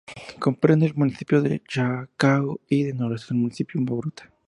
Comprende el municipio de Chacao y el noroeste del municipio Baruta.